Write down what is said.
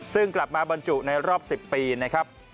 ซึ่งกลับมาบรรจุในรอบ๑๐ปีนะครับ